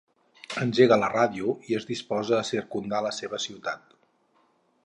Engega la ràdio i es disposa a circumdar la seva ciutat.